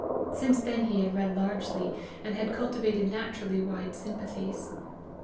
Since then he had read largely, and had cultivated naturally wide sympathies.